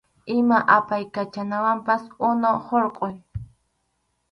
Ima apaykachanawanpas unu hurquy.